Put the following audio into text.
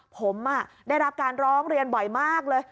ผมได้รับการร้องเรียนบ่อยมากเลย